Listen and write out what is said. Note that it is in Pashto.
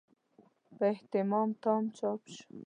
په اهتمام تام چاپ شو.